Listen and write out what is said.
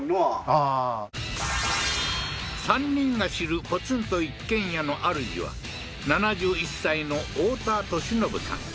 ああー３人が知るポツンと一軒家のあるじは７１歳のオオタトシノブさん